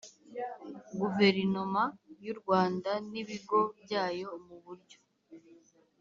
guverinoma y u rwanda n ibigo byayo mu buryo